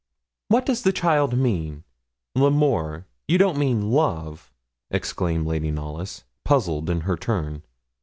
'What does the child mean? L'Amour! You don't mean love?' exclaimed Lady Knollys, puzzled in her turn.